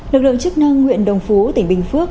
lực lượng chức năng huyện đồng phú tỉnh bình phước